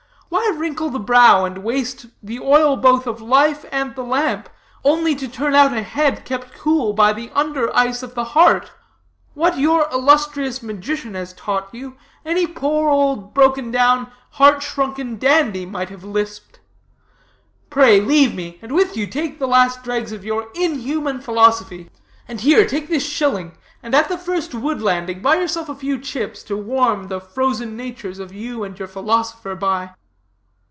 Why wrinkle the brow, and waste the oil both of life and the lamp, only to turn out a head kept cool by the under ice of the heart? What your illustrious magian has taught you, any poor, old, broken down, heart shrunken dandy might have lisped. Pray, leave me, and with you take the last dregs of your inhuman philosophy. And here, take this shilling, and at the first wood landing buy yourself a few chips to warm the frozen natures of you and your philosopher by."